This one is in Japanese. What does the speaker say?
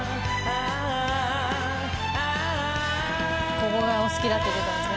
ここがお好きだって事ですね